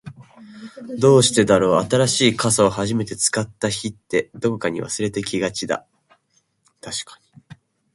どうしてだろう、新しい傘を初めて使った日って、どこかに忘れてきがちだ。